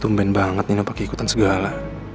tumben banget nino pake ikutan segala